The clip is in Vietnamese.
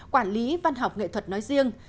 quản lý văn học nghệ thuật nói riêng